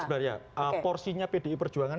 sebanyak porsinya pdi perjuangan